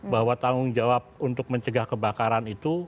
bahwa tanggung jawab untuk mencegah kebakaran itu